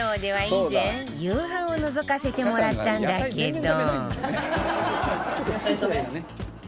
以前、夕飯をのぞかせてもらったけど。